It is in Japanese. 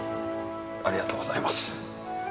ありがとうございます。